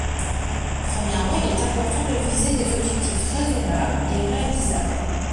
Premièrement, il est important de viser des objectifs raisonnables et réalisables.